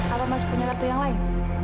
apa mas punya waktu yang lain